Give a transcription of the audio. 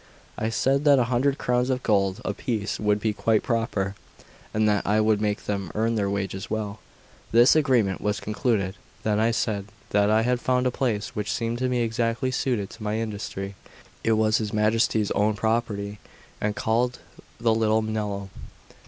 I said that a hundred crowns of gold apiece would be quite proper, and that I would make them earn their wages well. This agreement was concluded. Then I said that I had found a place which seemed to me exactly suited to my industry; it was his Majesty's own property, and called the Little Nello.